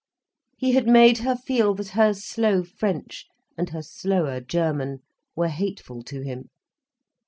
He had made her feel that her slow French and her slower German, were hateful to him.